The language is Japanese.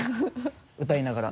歌いながら。